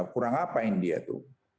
kurang apa india itu